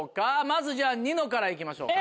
まずじゃニノから行きましょう。